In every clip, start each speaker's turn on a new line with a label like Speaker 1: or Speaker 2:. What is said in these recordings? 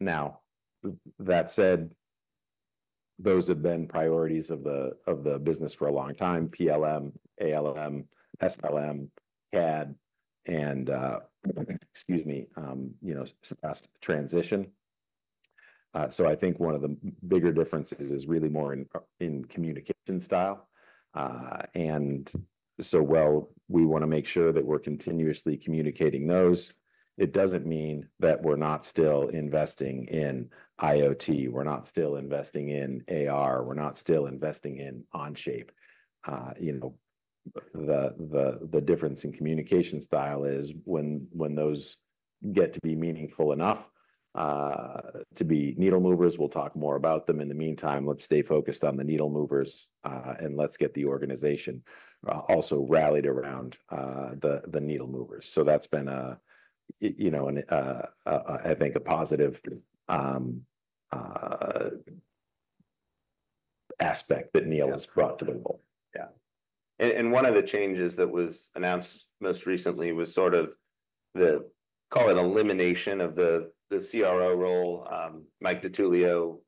Speaker 1: Now, that said, those have been priorities of the business for a long time, PLM, ALM, SLM, CAD, and, you know, SaaS transition. So I think one of the bigger differences is really more in communication style. And so while we wanna make sure that we're continuously communicating those, it doesn't mean that we're not still investing in IoT, we're not still investing in AR, we're not still investing in Onshape. You know, the difference in communication style is when those get to be meaningful enough to be needle movers, we'll talk more about them. In the meantime, let's stay focused on the needle movers, and let's get the organization also rallied around the needle movers. So that's been, you know, I think a positive aspect that Neil has brought to the board. Yeah. And one of the changes that was announced most recently was sort of the, call it, elimination of the CRO role. Mike DiTullio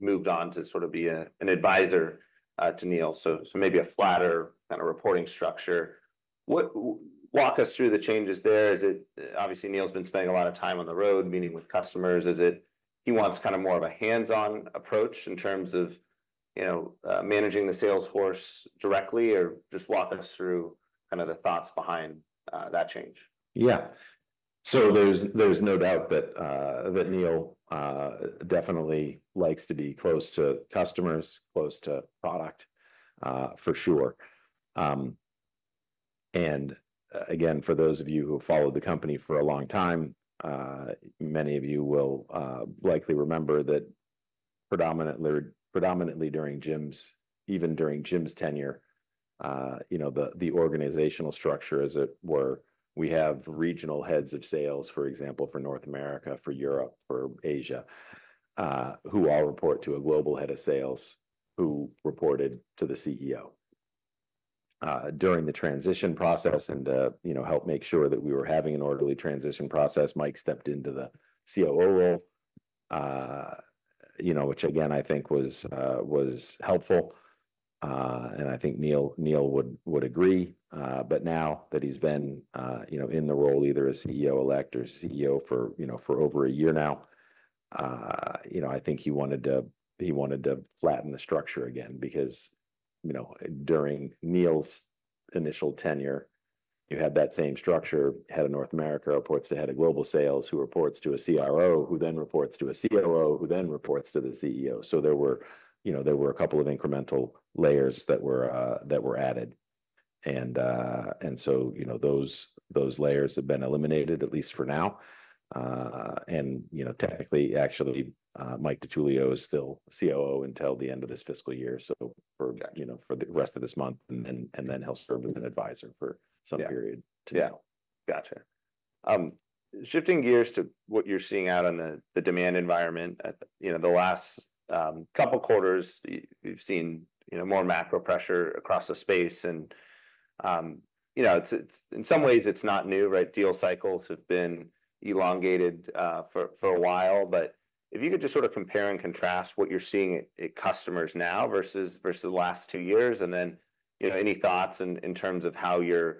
Speaker 1: moved on to sort of be an advisor to Neil, so maybe a flatter kind of reporting structure. Walk us through the changes there. Is it obviously Neil's been spending a lot of time on the road, meeting with customers? Is it he wants kind of more of a hands-on approach in terms of, you know, managing the sales force directly? Or just walk us through kind of the thoughts behind that change. Yeah. So there's no doubt that Neil definitely likes to be close to customers, close to product, for sure. And again, for those of you who have followed the company for a long time, many of you will likely remember that predominantly during Jim's... even during Jim's tenure, you know, the organizational structure, as it were, we have regional heads of sales, for example, for North America, for Europe, for Asia, who all report to a global head of sales, who reported to the CEO. During the transition process and, you know, help make sure that we were having an orderly transition process, Mike stepped into the COO role, you know, which again, I think was helpful. And I think Neil would agree. But now that he's been, you know, in the role, either as CEO-elect or CEO for, you know, for over a year now, you know, I think he wanted to flatten the structure again, because, you know, during Neil's initial tenure, you had that same structure: head of North America reports to head of global sales, who reports to a CRO, who then reports to a COO. Right... who then reports to the CEO. So there were, you know, there were a couple of incremental layers that were added, and so, you know, those layers have been eliminated, at least for now, and you know, technically, actually, Mike DiTullio is still COO until the end of this fiscal year, so for- Got it... you know, for the rest of this month, and then he'll serve as an advisor for- Yeah... some period to go. Yeah. Gotcha. Shifting gears to what you're seeing out in the demand environment. At you know the last couple quarters we've seen you know more macro pressure across the space and you know it's in some ways it's not new right? Deal cycles have been elongated for a while but if you could just sort of compare and contrast what you're seeing at customers now versus the last two years and then you know any thoughts in terms of how you're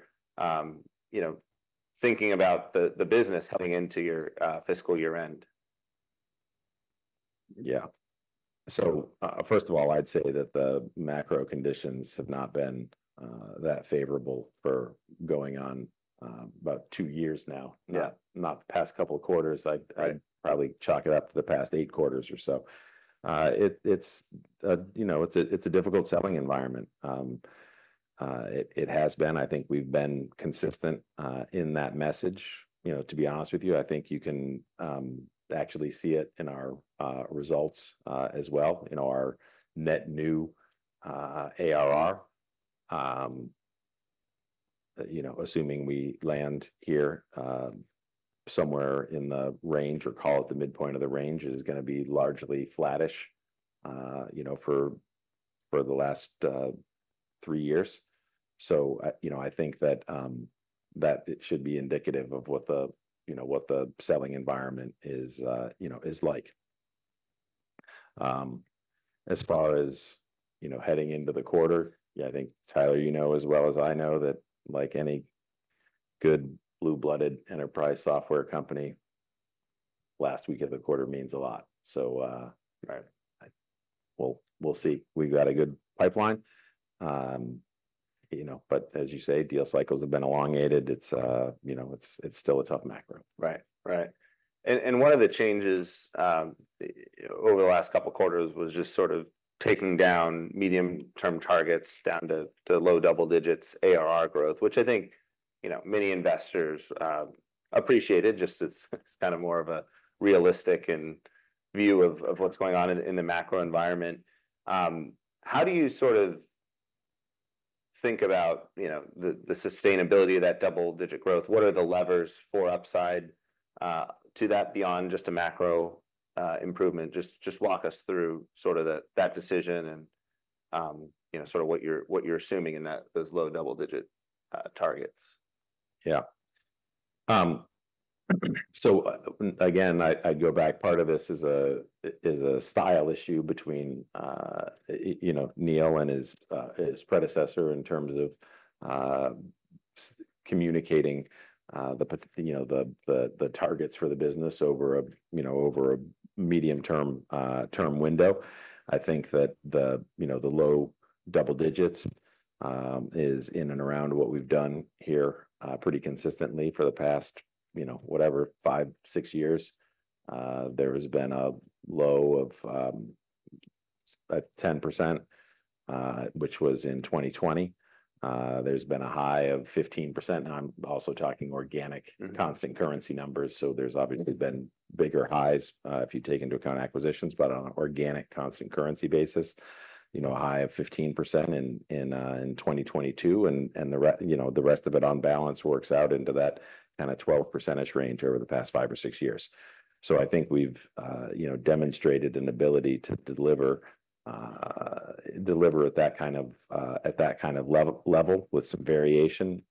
Speaker 1: thinking about the business heading into your fiscal year end? Yeah. So, first of all, I'd say that the macro conditions have not been that favorable for going on about two years now. Yeah. Not the past couple quarters. Right. I'd probably chalk it up to the past eight quarters or so. It's a difficult selling environment. It has been. I think we've been consistent in that message. You know, to be honest with you, I think you can actually see it in our results as well, in our net new ARR. You know, assuming we land here somewhere in the range, or call it the midpoint of the range, it is gonna be largely flattish, you know, for the last three years. So, you know, I think that it should be indicative of what the, you know, what the selling environment is, you know, is like. As far as, you know, heading into the quarter, yeah, I think, Tyler, you know as well as I know that like any good blue-blooded enterprise software company, last week of the quarter means a lot. So, Right... we'll see. We've got a good pipeline. You know, but as you say, deal cycles have been elongated. It's, you know, it's still a tough macro. Right. Right. And one of the changes over the last couple quarters was just sort of taking down medium-term targets down to low double digits ARR growth, which I think, you know, many investors appreciated, just it's kind of more of a realistic view of what's going on in the macro environment. How do you sort of think about, you know, the sustainability of that double-digit growth? What are the levers for upside to that beyond just a macro improvement? Just walk us through sort of that decision and you know, sort of what you're assuming in those low double-digit targets. Yeah. Again, I'd go back. Part of this is a style issue between you know, Neil and his predecessor in terms of communicating the targets for the business over a medium-term window. I think that the low double digits is in and around what we've done here pretty consistently for the past whatever five, six years. There has been a low of 10%, which was in 2020. There's been a high of 15%, and I'm also talking organic- Mm-hmm... constant currency numbers, so there's obviously- Mm-hmm... been bigger highs, if you take into account acquisitions, but on an organic constant currency basis, you know, a high of 15% in 2022, and the rest of it on balance works out into that kind of 12% range over the past five or six years. So I think we've, you know, demonstrated an ability to deliver at that kind of level, with some variation,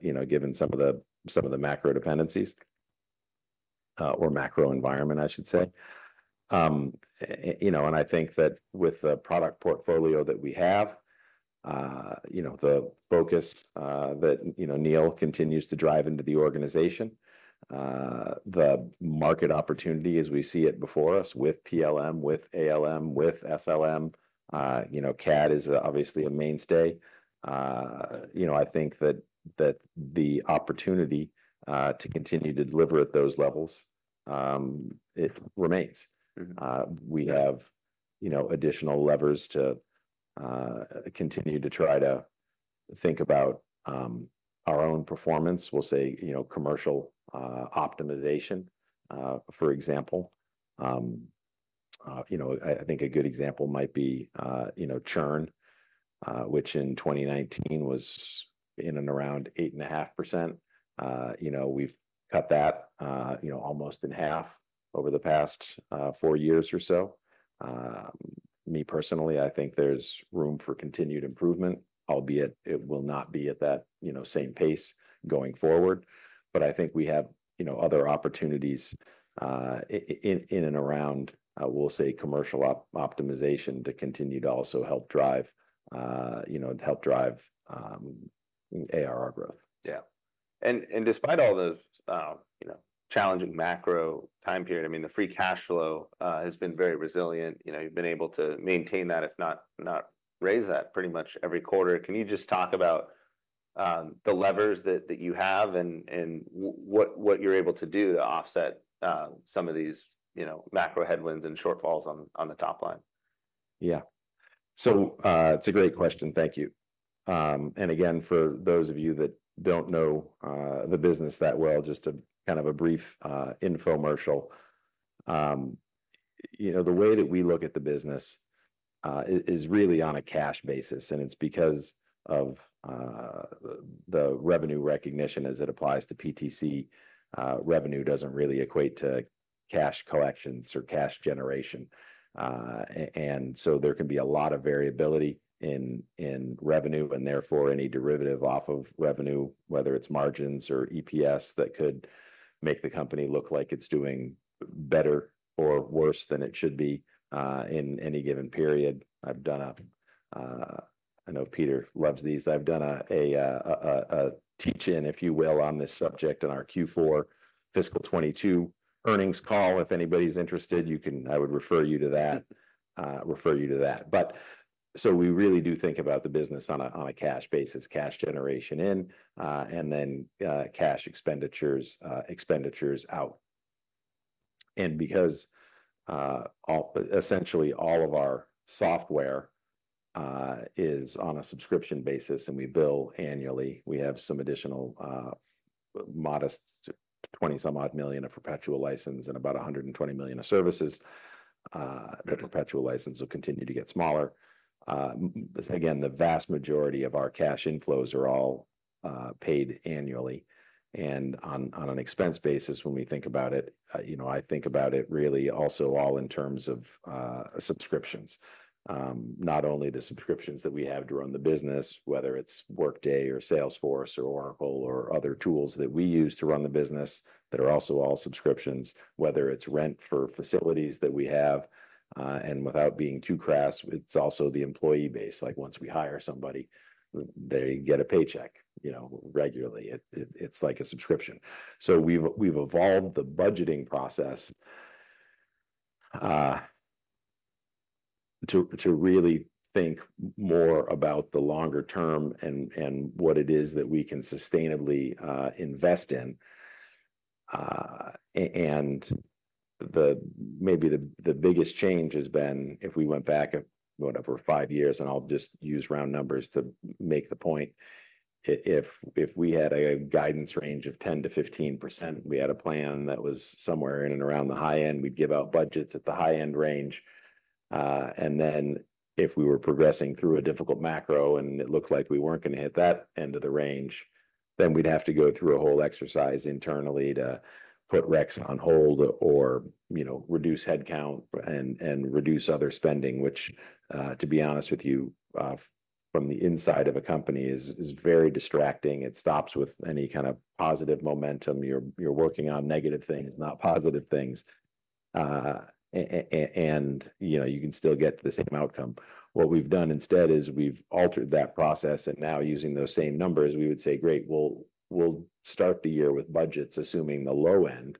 Speaker 1: you know, given some of the macro dependencies, or macro environment, I should say. You know, and I think that with the product portfolio that we have, you know, the focus that you know Neil continues to drive into the organization, the market opportunity as we see it before us with PLM, with ALM, with SLM, you know, CAD is obviously a mainstay. You know, I think that the opportunity to continue to deliver at those levels, it remains. Mm-hmm. We have, you know, additional levers to continue to try to think about our own performance. We'll say, you know, commercial optimization, for example. You know, I think a good example might be, you know, churn, which in 2019 was in and around 8.5%. You know, we've cut that, you know, almost in half over the past four years or so. Me, personally, I think there's room for continued improvement, albeit it will not be at that, you know, same pace going forward. But I think we have, you know, other opportunities, in and around, we'll say, commercial optimization, to continue to also help drive, you know, help drive, ARR growth. Yeah. And despite all the, you know, challenging macro time period, I mean, the free cash flow has been very resilient. You know, you've been able to maintain that, if not raise that pretty much every quarter. Can you just talk about the levers that you have and what you're able to do to offset some of these, you know, macro headwinds and shortfalls on the top line? Yeah. So, it's a great question. Thank you. And again, for those of you that don't know, the business that well, just a kind of a brief, infomercial. You know, the way that we look at the business, is really on a cash basis, and it's because of, the revenue recognition as it applies to PTC. Revenue doesn't really equate to cash collections or cash generation. And so there can be a lot of variability in revenue, and therefore, any derivative off of revenue, whether it's margins or EPS, that could make the company look like it's doing better or worse than it should be, in any given period. I've done a, I know Peter loves these. I've done a teach-in, if you will, on this subject in our Q4 fiscal 2022 earnings call. If anybody's interested, I would refer you to that. But so we really do think about the business on a cash basis, cash generation in and then cash expenditures, expenditures out. And because essentially all of our software is on a subscription basis, and we bill annually, we have some additional modest twenty-some-odd million of perpetual license and about $120 million of services. Mm-hmm.... the perpetual license will continue to get smaller. Again, the vast majority of our cash inflows are all paid annually and on an expense basis when we think about it. You know, I think about it really also all in terms of subscriptions. Not only the subscriptions that we have to run the business, whether it's Workday or Salesforce or Oracle, or other tools that we use to run the business that are also all subscriptions, whether it's rent for facilities that we have. And without being too crass, it's also the employee base. Like, once we hire somebody, they get a paycheck, you know, regularly. It's like a subscription. So we've evolved the budgeting process to really think more about the longer term and what it is that we can sustainably invest in. The biggest change has been if we went back, whatever, five years, and I'll just use round numbers to make the point. If we had a guidance range of 10%-15%, we had a plan that was somewhere in and around the high end. We'd give out budgets at the high-end range, and then if we were progressing through a difficult macro, and it looked like we weren't gonna hit that end of the range, then we'd have to go through a whole exercise internally to put reqs on hold or, you know, reduce headcount and reduce other spending, which, to be honest with you, from the inside of a company is very distracting. It stops with any kind of positive momentum. You're working on negative things, not positive things. You know, you can still get the same outcome. What we've done instead is we've altered that process, and now, using those same numbers, we would say, "Great, we'll start the year with budgets assuming the low end,"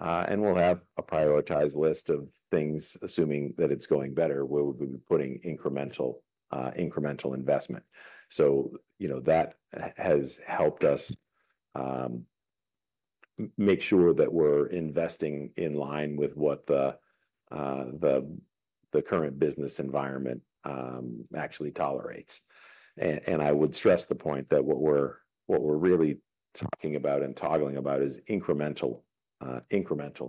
Speaker 1: and we'll have a prioritized list of things. Assuming that it's going better, we would be putting incremental investment. So, you know, that has helped us make sure that we're investing in line with what the current business environment actually tolerates. And I would stress the point that what we're really talking about and toggling about is incremental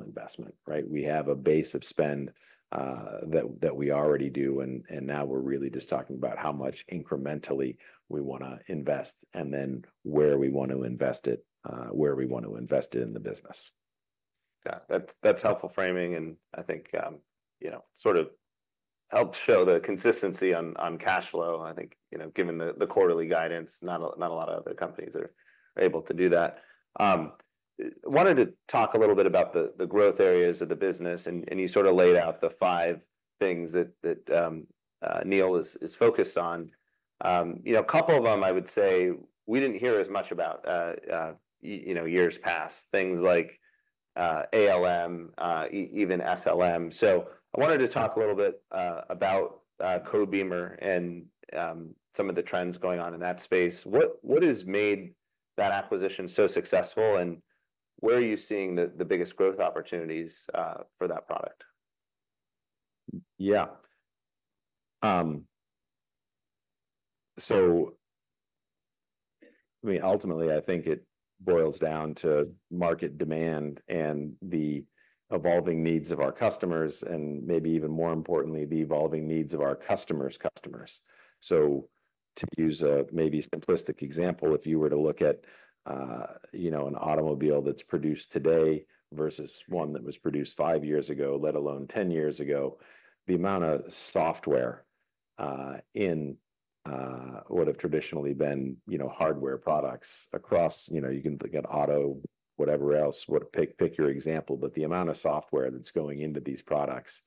Speaker 1: investment, right? We have a base of spend that we already do, and now we're really just talking about how much incrementally we wanna invest, and then where we want to invest it in the business. Yeah, that's helpful framing, and I think, you know, sort of helps show the consistency on cash flow. I think, you know, given the quarterly guidance, not a lot of other companies are able to do that. Wanted to talk a little bit about the growth areas of the business, and you sort of laid out the five things that Neil is focused on. You know, a couple of them, I would say we didn't hear as much about, you know, years past, things like ALM, even SLM. So I wanted to talk a little bit about Codebeamer and some of the trends going on in that space. What has made that acquisition so successful, and where are you seeing the biggest growth opportunities for that product? Yeah. So I mean, ultimately, I think it boils down to market demand and the evolving needs of our customers, and maybe even more importantly, the evolving needs of our customers' customers. To use a maybe simplistic example, if you were to look at, you know, an automobile that's produced today versus one that was produced five years ago, let alone ten years ago, the amount of software in what have traditionally been, you know, hardware products across. You know, you can look at auto, whatever else, pick your example, but the amount of software that's going into these products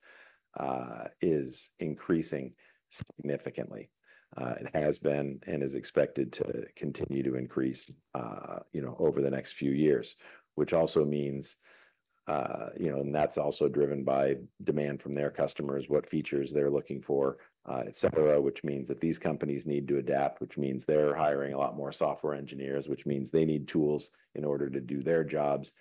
Speaker 1: is increasing significantly, and has been and is expected to continue to increase, you know, over the next few years. Which also means... You know, and that's also driven by demand from their customers, what features they're looking for, et cetera, which means that these companies need to adapt, which means they're hiring a lot more software engineers, which means they need tools in order to do their jobs,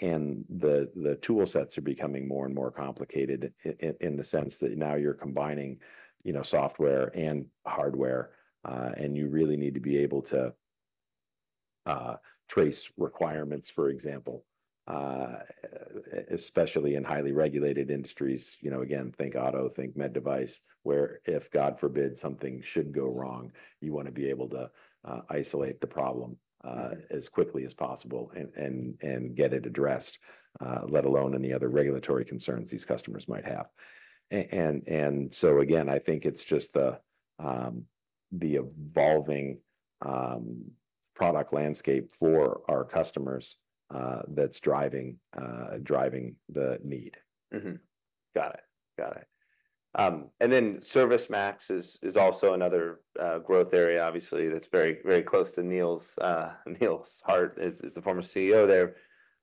Speaker 1: and the toolsets are becoming more and more complicated in the sense that now you're combining, you know, software and hardware, and you really need to be able to trace requirements, for example, especially in highly regulated industries. You know, again, think auto, think med device, where if, God forbid, something should go wrong, you want to be able to isolate the problem as quickly as possible and get it addressed, let alone any other regulatory concerns these customers might have. And so again, I think it's just the evolving product landscape for our customers that's driving the need. Mm-hmm. Got it. Got it. And then ServiceMax is also another growth area. Obviously, that's very, very close to Neil's heart as the former CEO there.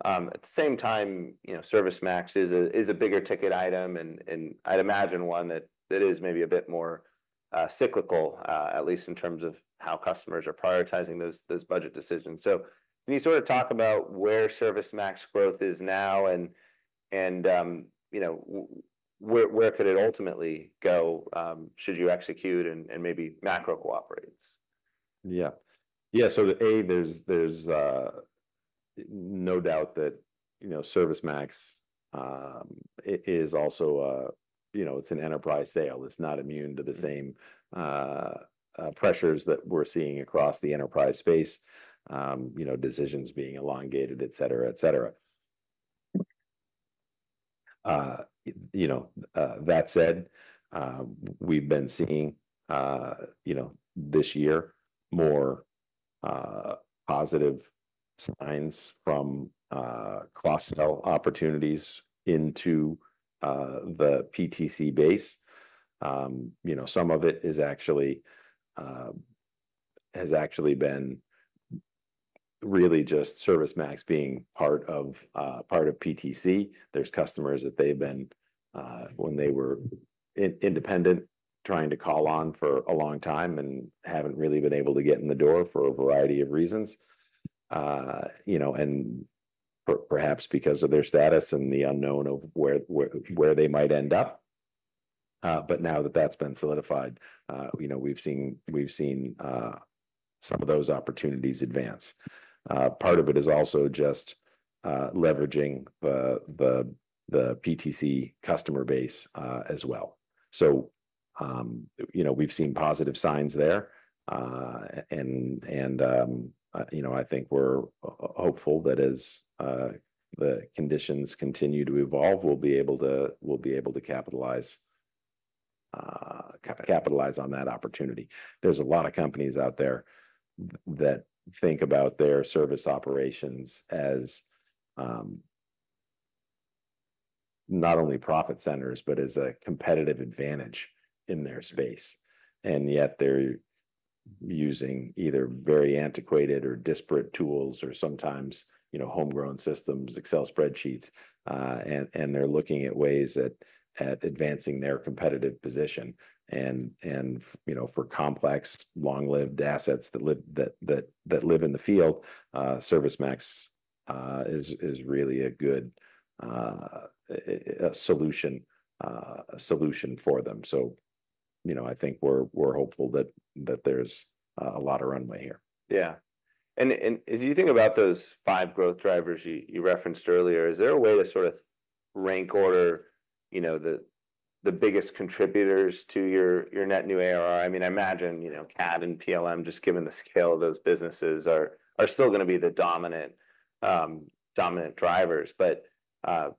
Speaker 1: At the same time, you know, ServiceMax is a bigger ticket item, and I'd imagine one that is maybe a bit more cyclical, at least in terms of how customers are prioritizing those budget decisions. So can you sort of talk about where ServiceMax growth is now, and, um, you know, where could it ultimately go, should you execute and maybe macro cooperates? Yeah. So A, there's no doubt that, you know, ServiceMax is also a, you know, it's an enterprise sale. It's not immune to the same- Mm-hmm... pressures that we're seeing across the enterprise space. You know, decisions being elongated, et cetera, et cetera. You know, that said, we've been seeing, you know, this year, more positive signs from cross-sell opportunities into the PTC base. You know, some of it actually has been really just ServiceMax being part of PTC. There's customers that they've been, when they were independent, trying to call on for a long time and haven't really been able to get in the door for a variety of reasons. You know, and perhaps because of their status and the unknown of where they might end up. But now that that's been solidified, you know, we've seen some of those opportunities advance. Part of it is also just leveraging the PTC customer base as well. You know, we've seen positive signs there. You know, I think we're hopeful that as the conditions continue to evolve, we'll be able to capitalize on that opportunity. There's a lot of companies out there that think about their service operations as not only profit centers, but as a competitive advantage in their space, and yet they're using either very antiquated or disparate tools or sometimes, you know, homegrown systems, Excel spreadsheets. They're looking at ways at advancing their competitive position. You know, for complex, long-lived assets that live in the field, ServiceMax is really a good solution for them. So, you know, I think we're hopeful that there's a lot of runway here. Yeah. And as you think about those five growth drivers you referenced earlier, is there a way to sort of rank order, you know, the biggest contributors to your net new ARR? I mean, I imagine, you know, CAD and PLM, just given the scale of those businesses, are still gonna be the dominant drivers. But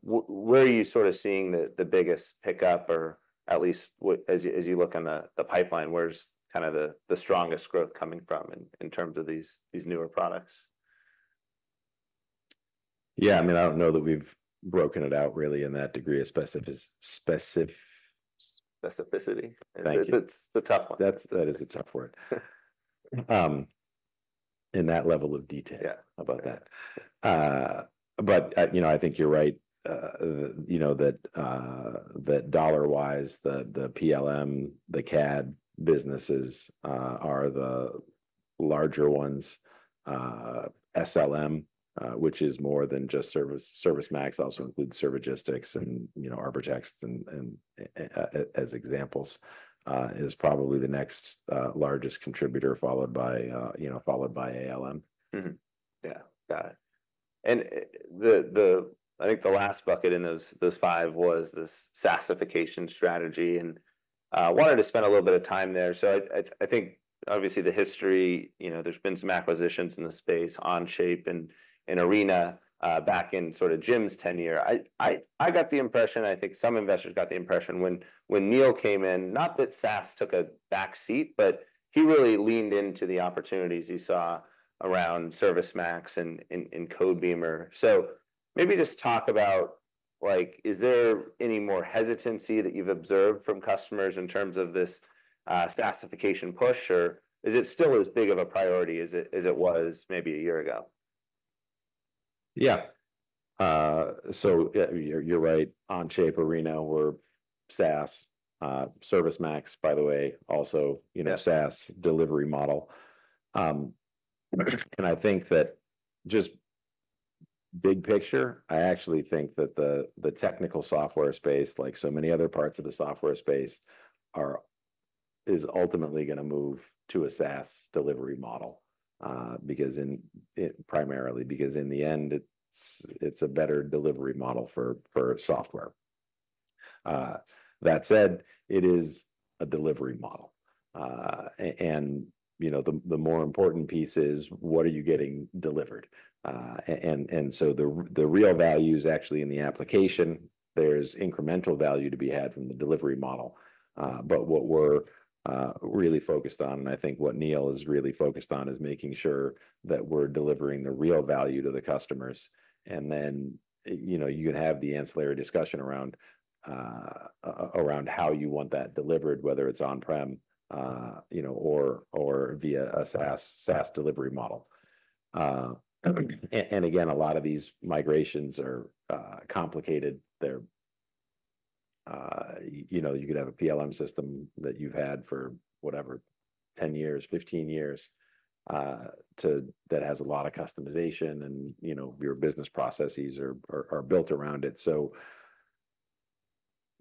Speaker 1: where are you sort of seeing the biggest pickup, or at least, as you look on the pipeline, where's kind of the strongest growth coming from in terms of these newer products? Yeah, I mean, I don't know that we've broken it out really in that degree of specificity. Specificity. Thank you. It's a tough one. That is a tough word. In that level of detail- Yeah... about that. But, you know, I think you're right. You know, that dollar-wise, the PLM, the CAD businesses are the larger ones. SLM, which is more than just service. ServiceMax also includes Servigistics and, you know, Arbortext and as examples, is probably the next largest contributor, followed by, you know, followed by ALM. Mm-hmm. Yeah, got it. And, I think the last bucket in those five was this SaaSification strategy, and, I wanted to spend a little bit of time there. So I think obviously the history, you know, there's been some acquisitions in the space, Onshape and Arena, back in sort of Jim's tenure. I got the impression, I think some investors got the impression when Neil came in, not that SaaS took a back seat, but he really leaned into the opportunities he saw around ServiceMax and Codebeamer. So maybe just talk about, like, is there any more hesitancy that you've observed from customers in terms of this SaaSification push, or is it still as big of a priority as it was maybe a year ago? Yeah. So, you're right. Onshape, Arena were SaaS. ServiceMax, by the way, also, you know- Yeah... SaaS delivery model. And I think that just big picture, I actually think that the technical software space, like so many other parts of the software space, is ultimately gonna move to a SaaS delivery model. Primarily because in the end, it's a better delivery model for software. That said, it is a delivery model. And, you know, the more important piece is, what are you getting delivered? And so the real value is actually in the application. There's incremental value to be had from the delivery model. But what we're really focused on, and I think what Neil is really focused on, is making sure that we're delivering the real value to the customers. And then, you know, you can have the ancillary discussion around how you want that delivered, whether it's on-prem, you know, or via a SaaS delivery model. And again, a lot of these migrations are complicated. They're, you know, you could have a PLM system that you've had for, whatever, 10 years, 15 years, that has a lot of customization, and, you know, your business processes are built around it. So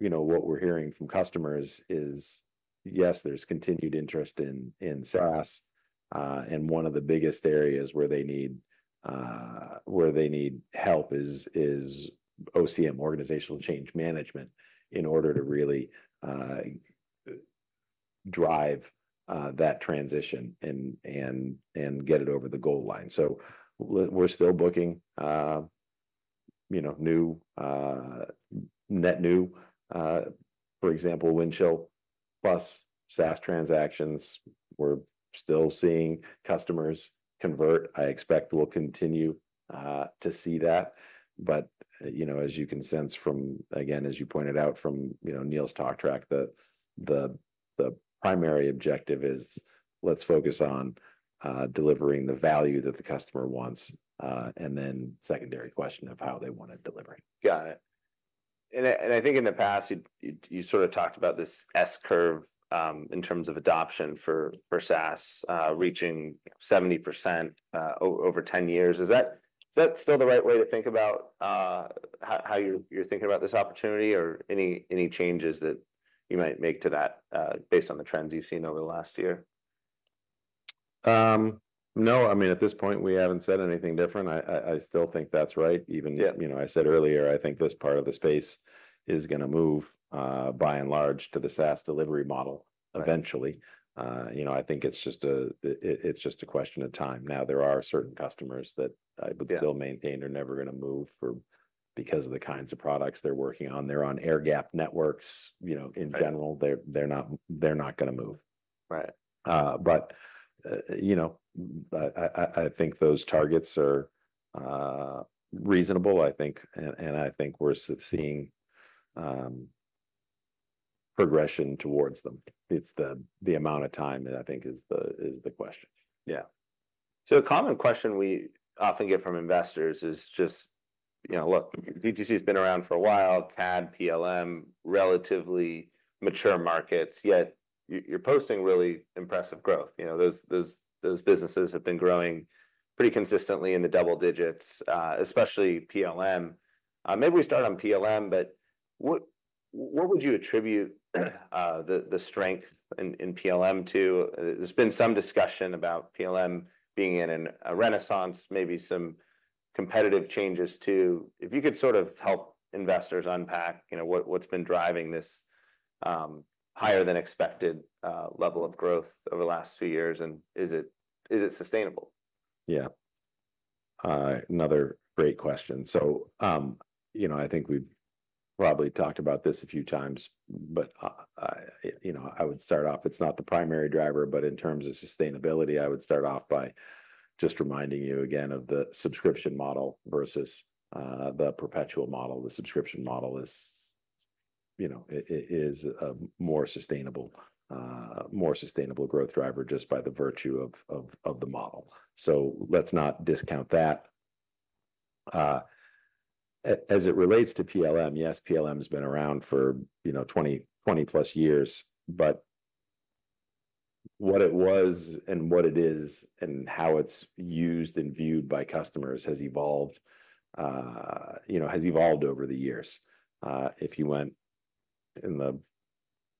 Speaker 1: you know, what we're hearing from customers is: yes, there's continued interest in SaaS, and one of the biggest areas where they need help is OCM, Organizational Change Management, in order to really drive that transition and get it over the goal line. So we're still booking, you know, new net new, for example, Windchill+ SaaS transactions. We're still seeing customers convert. I expect we'll continue to see that. But, you know, as you can sense from, again, as you pointed out from, you know, Neil's talk track, the primary objective is, let's focus on delivering the value that the customer wants, and then secondary question of how they want it delivered. Got it. And I think in the past, you sort of talked about this S-curve in terms of adoption for SaaS reaching 70% over 10 years. Is that still the right way to think about how you're thinking about this opportunity, or any changes that you might make to that based on the trends you've seen over the last year?... No, I mean, at this point, we haven't said anything different. I still think that's right. Even- Yeah... you know, I said earlier, I think this part of the space is gonna move, by and large, to the SaaS delivery model- Right... eventually. You know, I think it's just a question of time. Now, there are certain customers that- Yeah... I would still maintain are never gonna move for, because of the kinds of products they're working on. They're on air-gapped networks, you know- Right... in general, they're not gonna move. Right. But you know, I think those targets are reasonable, I think, and I think we're seeing progression towards them. It's the amount of time that I think is the question. Yeah. So a common question we often get from investors is just, you know, look, PTC has been around for a while, CAD, PLM, relatively mature markets, yet you're posting really impressive growth. You know, those businesses have been growing pretty consistently in the double digits, especially PLM. Maybe we start on PLM, but what would you attribute the strength in PLM to? There's been some discussion about PLM being in a renaissance, maybe some competitive changes too. If you could sort of help investors unpack, you know, what's been driving this higher-than-expected level of growth over the last few years, and is it sustainable? Yeah. Another great question. So, you know, I think we've probably talked about this a few times, but, you know, I would start off. It's not the primary driver, but in terms of sustainability, I would start off by just reminding you again of the subscription model versus the perpetual model. The subscription model is, you know, it is a more sustainable growth driver just by the virtue of the model. So let's not discount that. As it relates to PLM, yes, PLM has been around for, you know, twenty-plus years, but what it was and what it is, and how it's used and viewed by customers has evolved, you know, over the years. If you went in the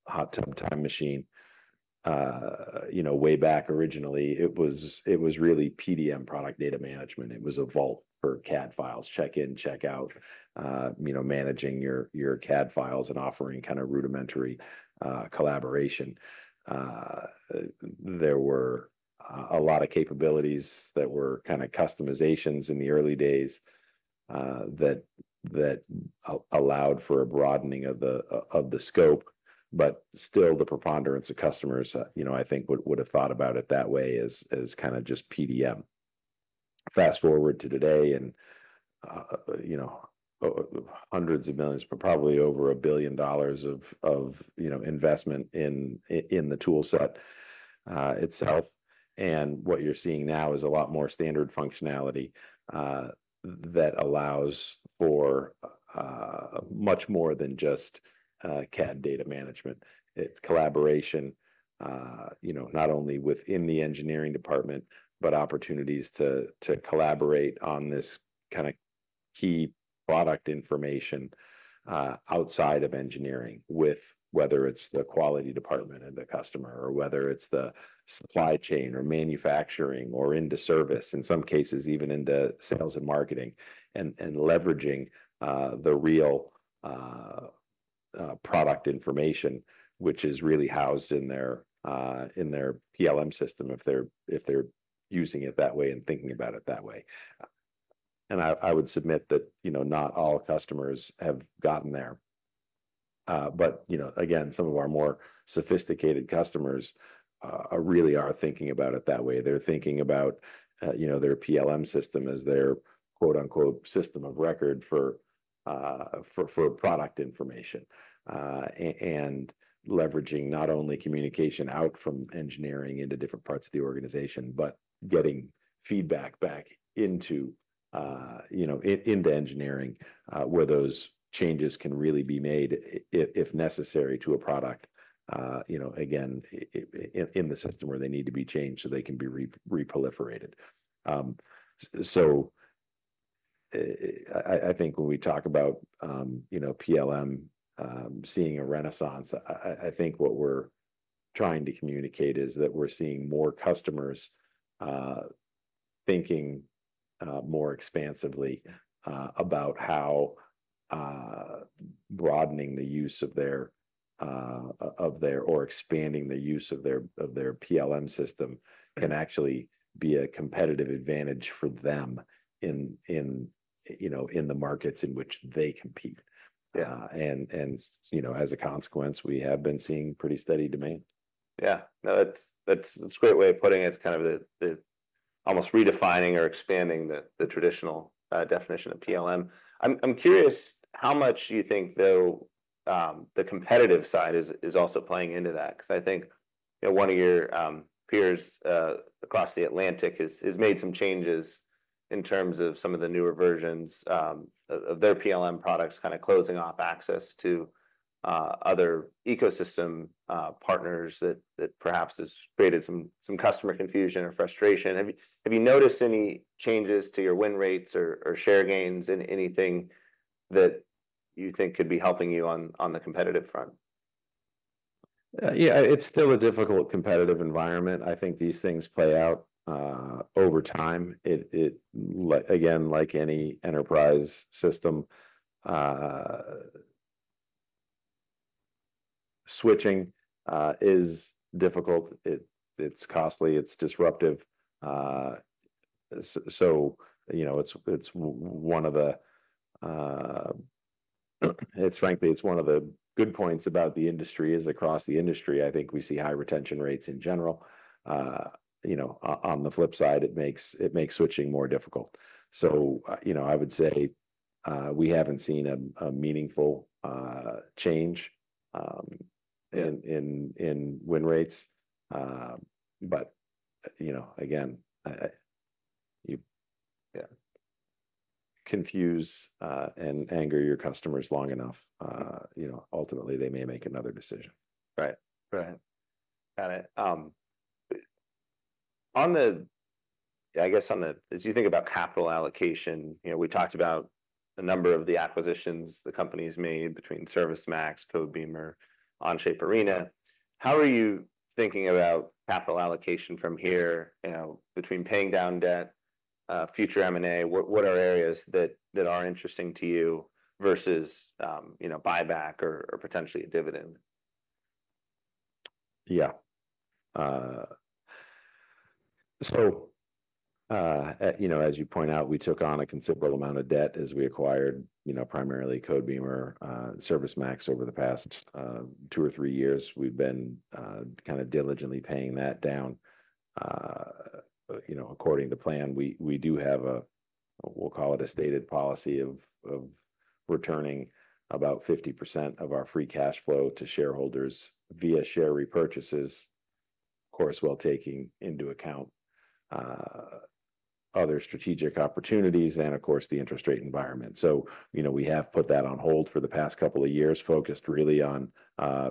Speaker 1: hot tub time machine, you know, way back originally, it was really PDM, product data management. It was a vault for CAD files, check-in, check-out, you know, managing your CAD files and offering kind of rudimentary collaboration. There were a lot of capabilities that were kind of customizations in the early days, that allowed for a broadening of the scope, but still the preponderance of customers, you know, I think would have thought about it that way as kind of just PDM. Fast-forward to today, and you know, hundreds of millions, but probably over $1 billion of investment in the tool set itself, and what you're seeing now is a lot more standard functionality that allows for much more than just CAD data management. It's collaboration, you know, not only within the engineering department, but opportunities to collaborate on this kind of key product information outside of engineering, with whether it's the quality department and the customer, or whether it's the supply chain, or manufacturing, or into service, in some cases, even into sales and marketing, and leveraging the real product information, which is really housed in their PLM system if they're using it that way and thinking about it that way. And I would submit that, you know, not all customers have gotten there. But you know, again, some of our more sophisticated customers are really thinking about it that way. They're thinking about, you know, their PLM system as their quote-unquote "system of record" for product information, and leveraging not only communication out from engineering into different parts of the organization, but getting feedback back into you know into engineering, where those changes can really be made if necessary to a product, you know, again, in the system where they need to be changed so they can be proliferated. I think when we talk about, you know, PLM seeing a renaissance, I think what we're trying to communicate is that we're seeing more customers thinking more expansively about how broadening the use of their or expanding the use of their PLM system can actually be a competitive advantage for them in, you know, in the markets in which they compete. Yeah. And you know, as a consequence, we have been seeing pretty steady demand. Yeah. No, that's a great way of putting it, kind of the almost redefining or expanding the traditional definition of PLM. I'm curious, how much do you think, though, the competitive side is also playing into that? Because I think, you know, one of your peers across the Atlantic has made some changes in terms of some of the newer versions of their PLM products, kind of closing off access to other ecosystem partners, that perhaps has created some customer confusion or frustration. Have you noticed any changes to your win rates or share gains in anything that you think could be helping you on the competitive front?... Yeah, it's still a difficult competitive environment. I think these things play out over time. It like again like any enterprise system switching is difficult. It's costly, it's disruptive. So you know, it's one of the good points about the industry, is across the industry, I think we see high retention rates in general. You know, on the flip side, it makes switching more difficult. So you know, I would say we haven't seen a meaningful change in win rates. But you know, again, yeah. Confuse and anger your customers long enough, you know, ultimately they may make another decision. Right. Got it. As you think about capital allocation, you know, we talked about a number of the acquisitions the company's made between ServiceMax, Codebeamer, Onshape, Arena. How are you thinking about capital allocation from here, you know, between paying down debt, future M&A? What are areas that are interesting to you versus, you know, buyback or potentially a dividend? Yeah. So, you know, as you point out, we took on a considerable amount of debt as we acquired, you know, primarily Codebeamer, ServiceMax over the past two or three years. We've been kind of diligently paying that down, you know, according to plan. We do have a, we'll call it a stated policy of returning about 50% of our free cash flow to shareholders via share repurchases, of course, while taking into account other strategic opportunities and of course, the interest rate environment. So, you know, we have put that on hold for the past couple of years, focused really on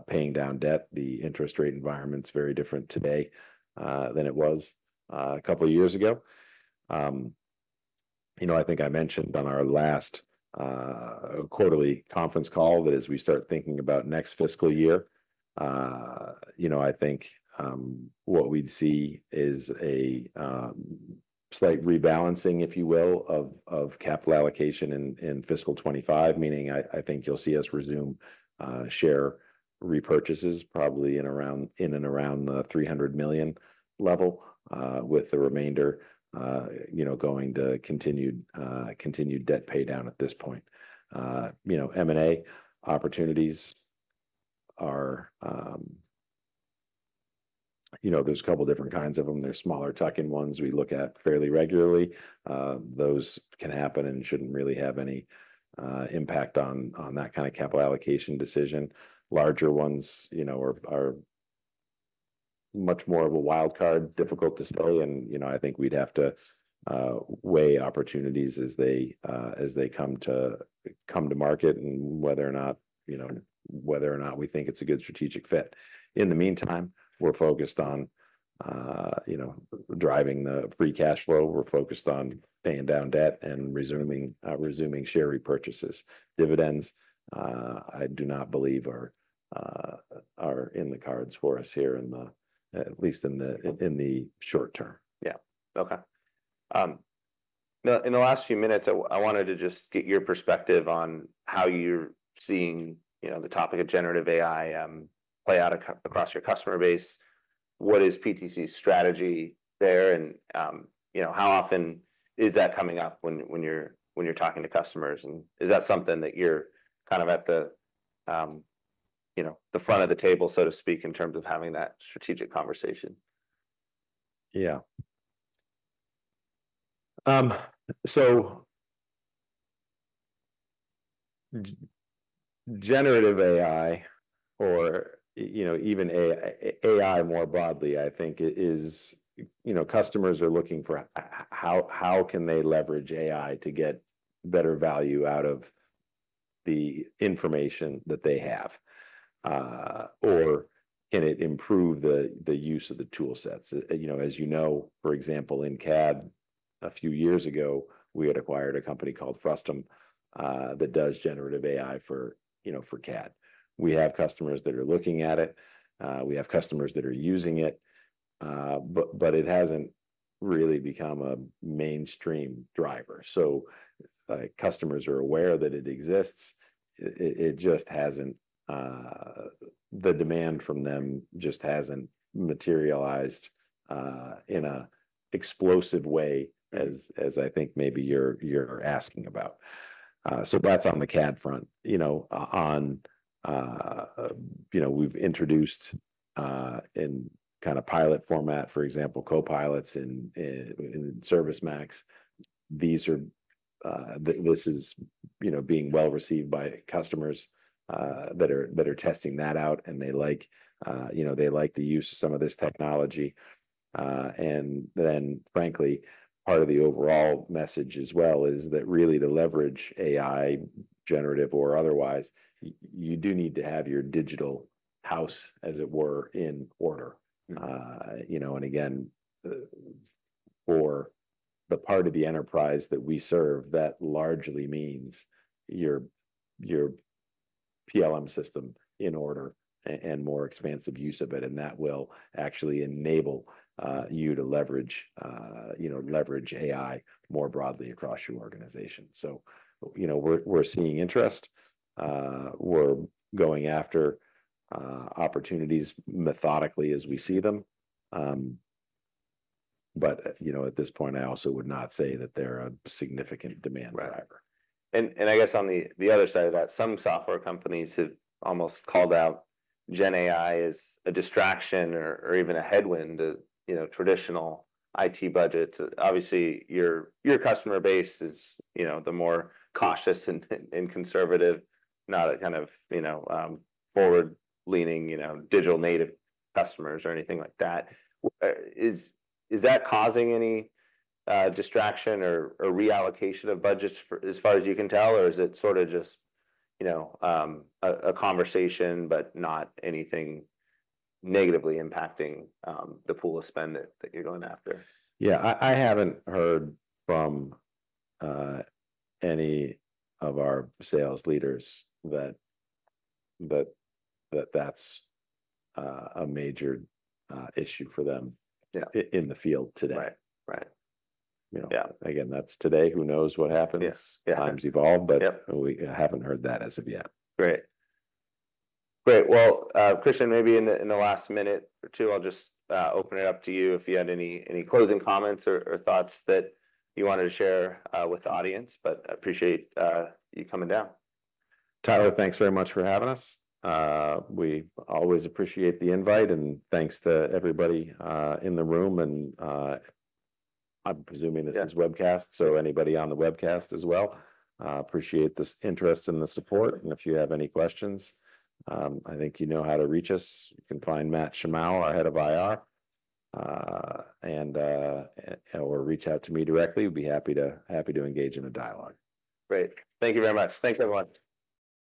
Speaker 1: paying down debt. The interest rate environment's very different today than it was a couple of years ago. You know, I think I mentioned on our last quarterly conference call that as we start thinking about next fiscal year, you know, I think what we'd see is a slight rebalancing, if you will, of capital allocation in fiscal 2025. Meaning, I think you'll see us resume share repurchases probably in and around the $300 million level, with the remainder, you know, going to continued debt paydown at this point. You know, M&A opportunities are. You know, there's a couple different kinds of them. There's smaller tuck-in ones we look at fairly regularly. Those can happen and shouldn't really have any impact on that kind of capital allocation decision. Larger ones, you know, are much more of a wild card, difficult to say. You know, I think we'd have to weigh opportunities as they come to market, and whether or not we think it's a good strategic fit. In the meantime, we're focused on you know, driving the free cash flow. We're focused on paying down debt and resuming share repurchases. Dividends I do not believe are in the cards for us here, at least in the short term. Yeah. Okay. Now, in the last few minutes, I wanted to just get your perspective on how you're seeing, you know, the topic of generative AI play out across your customer base. What is PTC's strategy there? And, you know, how often is that coming up when you're talking to customers, and is that something that you're kind of at the, you know, the front of the table, so to speak, in terms of having that strategic conversation? Yeah. So generative AI, or, you know, even AI more broadly, I think is, you know, customers are looking for how they can leverage AI to get better value out of the information that they have? Or can it improve the use of the tool sets? You know, as you know, for example, in CAD, a few years ago, we had acquired a company called Frustum that does generative AI for, you know, for CAD. We have customers that are looking at it. We have customers that are using it, but it hasn't really become a mainstream driver. So, customers are aware that it exists. It just hasn't... the demand from them just hasn't materialized in an explosive way as I think maybe you're asking about. So that's on the CAD front. You know, on, you know, we've introduced, in kind of pilot format, for example, copilots in ServiceMax. These are, this is, you know, being well-received by customers, that are testing that out, and they like, you know, they like the use of some of this technology. And then frankly, part of the overall message as well is that really to leverage AI, generative or otherwise, you do need to have your digital house, as it were, in order. Mm-hmm. You know, and again, for the part of the enterprise that we serve, that largely means your PLM system in order to, and more expansive use of it, and that will actually enable you to leverage, you know, leverage AI more broadly across your organization. So, you know, we're seeing interest. We're going after opportunities methodically as we see them. But, you know, at this point, I also would not say that they're a significant demand driver. Right. And I guess on the other side of that, some software companies have almost called out GenAI as a distraction or even a headwind to, you know, traditional IT budgets. Obviously, your customer base is, you know, the more cautious and conservative, not a kind of, you know, forward-leaning, you know, digital-native customers or anything like that. Is that causing any distraction or reallocation of budgets as far as you can tell, or is it sort of just, you know, a conversation, but not anything negatively impacting the pool of spend that you're going after? Yeah, I haven't heard from any of our sales leaders that that's a major issue for them- Yeah... in the field today. Right. Right. You know? Yeah. Again, that's today. Who knows what happens? Yeah, yeah. Times evolve- Yep... but we haven't heard that as of yet. Great. Great, well, Kristian, maybe in the last minute or two, I'll just open it up to you if you had any closing comments or thoughts that you wanted to share with the audience, but I appreciate you coming down. Tyler, thanks very much for having us. We always appreciate the invite, and thanks to everybody in the room and, I'm presuming- Yeah... this is a webcast, so anybody on the webcast as well. I appreciate this interest and the support, and if you have any questions, I think you know how to reach us. You can find Matt Shimao, our head of IR, and or reach out to me directly. We'd be happy to engage in a dialogue. Great. Thank you very much. Thanks, everyone.